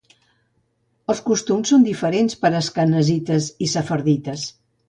Els costums són diferents per asquenazites i sefardites.